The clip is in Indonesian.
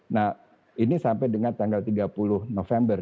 nah ini sampai dengan tanggal tiga puluh november